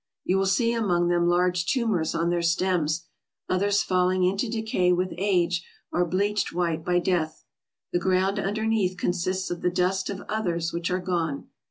You will see among them large tumors on their stems. Others falling into decay with age are bleached white by death. The ground underneath con sists of the dust of others which are gone.